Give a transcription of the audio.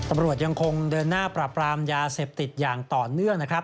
ตำรวจยังคงเดินหน้าปราบรามยาเสพติดอย่างต่อเนื่องนะครับ